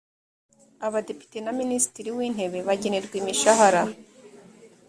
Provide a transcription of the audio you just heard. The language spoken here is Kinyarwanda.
abadepite na minisitiri w intebe bagenerwa imishahara